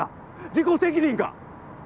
自己責任か